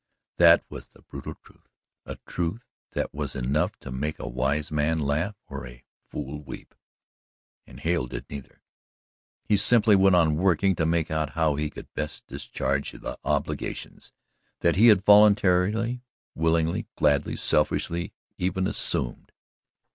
That was the brutal truth a truth that was enough to make a wise man laugh or a fool weep, and Hale did neither. He simply went on working to make out how he could best discharge the obligations that he had voluntarily, willingly, gladly, selfishly even, assumed.